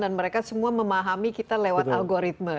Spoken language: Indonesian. dan mereka semua memahami kita lewat algoritme